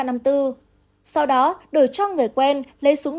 sau đó đổi cho người quen